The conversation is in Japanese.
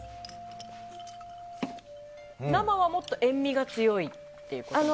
生はもっと塩みが強いということですか？